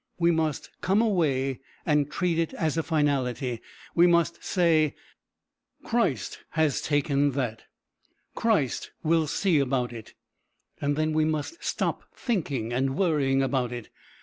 We must come away and treat it as a finality. We must say, Christ has taken that. Christ will see about it. And then we must stop thinking and worrying about it.